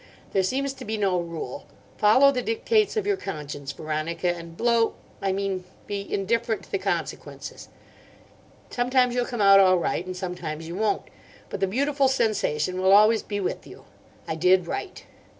There seems to be no rule. Follow the dictates of your conscience, Veronica, and blow—I mean be indifferent to the consequences. Sometimes you'll come out all right, and sometimes you won't. But the beautiful sensation will always be with you: I did right.